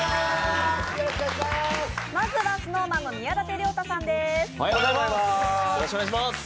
まずはＳｎｏｗＭａｎの宮舘涼太さんです。